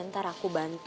ntar aku bantu